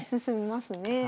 進みますね。